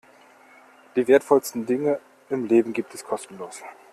Die wertvollsten Dinge im Leben gibt es kostenlos.